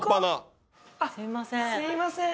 すいません。